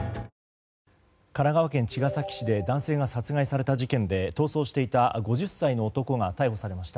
神奈川県茅ヶ崎市で男性が殺害された事件で逃走していた５０歳の男が逮捕されました。